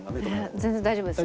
全然大丈夫ですよ。